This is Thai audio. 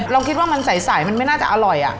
เราคิดว่ามันใสมันไม่น่าจะอร่อย